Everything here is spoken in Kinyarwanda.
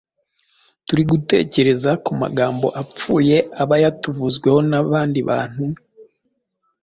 turi gutekereza ku magambo apfuye aba yatuvuzweho n’abandi bantu,